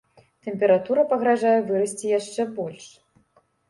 Тэмпература пагражае вырасці яшчэ больш.